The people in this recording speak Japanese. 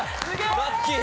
ラッキー。